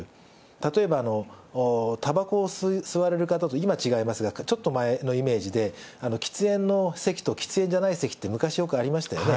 例えばたばこを吸われる方と、今は違いますが、ちょっと前のイメージで、喫煙の席と喫煙じゃない席って、昔よくありましたよね。